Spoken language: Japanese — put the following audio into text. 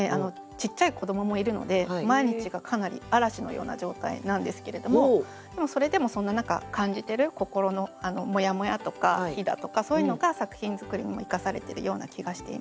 ちっちゃい子どももいるので毎日がかなり嵐のような状態なんですけれどもでもそれでもそんな中感じてる心のモヤモヤとかヒダとかそういうのが作品作りにも生かされてるような気がしています。